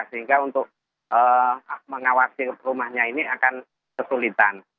sehingga untuk mengawasi rumahnya ini akan kesulitan